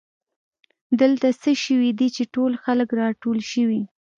دلته څه شوي دي چې ټول خلک راټول شوي